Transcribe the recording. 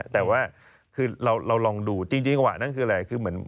แต่ว่าคือเราลองดูจริงจังหวะนั้นคืออะไรคือเหมือน